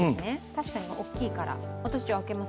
確かに大きいから。